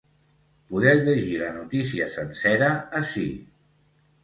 Podeu llegir la notícia sencera ací.